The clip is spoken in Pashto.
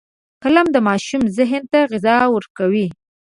قلم د ماشوم ذهن ته غذا ورکوي